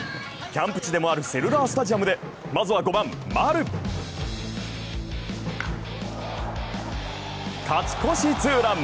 キャンプ地でもあるセルラースタジアムで勝ち越しツーラン。